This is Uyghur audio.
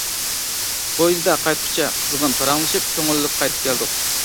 پويىزدا قايتقۇچە قىزغىن پاراڭلىشىپ، كۆڭۈللۈك قايتىپ كەلدۇق.